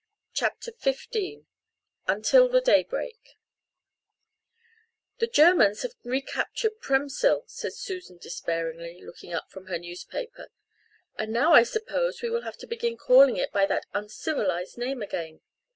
CHAPTER XV UNTIL THE DAY BREAK "The Germans have recaptured Premysl," said Susan despairingly, looking up from her newspaper, "and now I suppose we will have to begin calling it by that uncivilised name again.